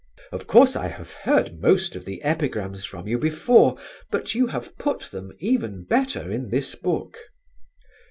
"Of course I have heard most of the epigrams from you before, but you have put them even better in this book."